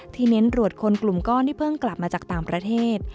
เน้นรวดคนกลุ่มก้อนที่เพิ่งกลับมาจากต่างประเทศ